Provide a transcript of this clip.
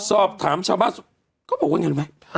ซอบถามชาวบ้านก็บอกว่าอย่างนี้หรือไหม